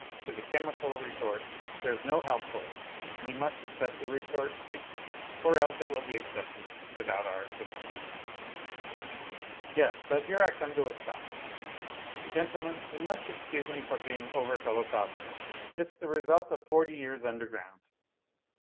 to the chemical retort, tin re's no help for it, we must accept the retort too, or else it will be accepted without our consent. ..." NOTES FROM UNDERGROUND 71 Yes, but here I come to a stop ! Gentlemen, you must excuse me for being over philosophical ; il's tlae result of forty years underground